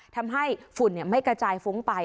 ทำให้ฝุ่นไม่กระจายฟุ้งไป